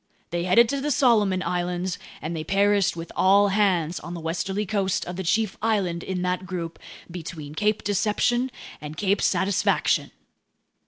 They headed to the Solomon Islands, and they perished with all hands on the westerly coast of the chief island in that group, between Cape Deception and Cape Satisfaction!"